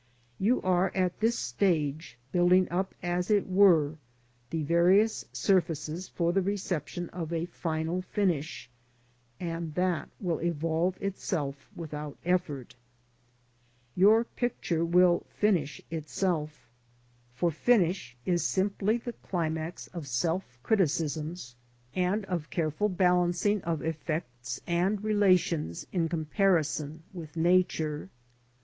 You are, at this stage, building up as it were the various surfaces for the reception of a final finish, and that will evolve itself without effort. Your picture will finish itself, for finish is simply the climax of self W^P^PiPKP^P" 100 LANDSCAPE PAINTING IN OIL COLOUR. criticisms and of careful balancing of effects and relations in comparison with Nature.